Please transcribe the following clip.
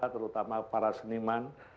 terutama para seniman